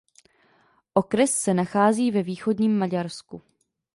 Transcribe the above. Okres se nachází ve východním Maďarsku.